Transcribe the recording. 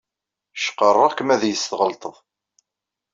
Cqarrweɣ-k m ad yi-tesɣelḍeḍ.